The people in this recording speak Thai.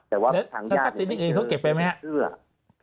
แล้วทัพสินที่อื่นเขาเก็บไปไหมครับ